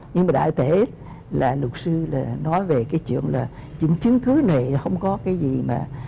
nhưng mà đại thể là luật sư là nói về cái chuyện là những chứng cứ này là không có cái gì mà